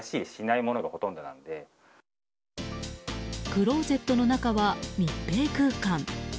クローゼットの中は密閉空間。